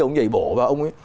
ông nhảy bổ vào